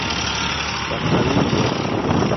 Fatalulo!